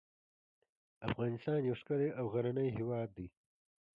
افغانستان یو ښکلی او غرنی هیواد دی .